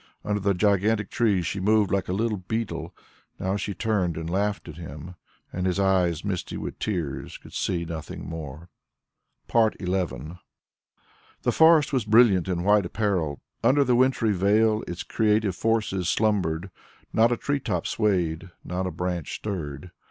Under the gigantic trees she moved like a little beetle. Now she turned and laughed at him, and his eyes, misty with tears, could see nothing more. XI The forest was brilliant in white apparel. Under the wintry veil its creative forces slumbered. Not a tree top swayed, nor a branch stirred.